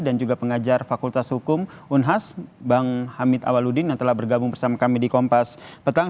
dan juga pengajar fakultas hukum unhas bang hamid awaluddin yang telah bergabung bersama kami di kompas petang